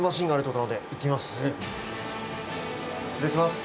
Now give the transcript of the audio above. うん失礼します